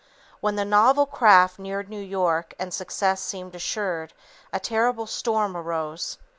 When the novel craft neared New York and success seemed assured, a terrible storm arose.